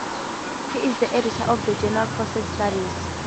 He is the Editor of the journal "Process Studies".